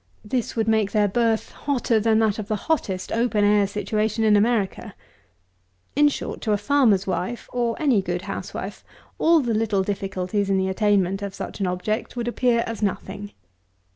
This would make their birth hotter than that of the hottest open air situation in America. In short to a farmer's wife, or any good housewife, all the little difficulties to the attainment of such an object would appear as nothing.